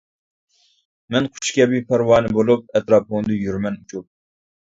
مەن قۇش كەبى پەرۋانە بولۇپ، ئەتراپىڭدا يۈرىمەن ئۇچۇپ.